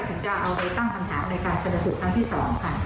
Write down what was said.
ก็จะเอาไว้ตั้งคำถามในการชนสูตรฯขั้นที่สองค่ะ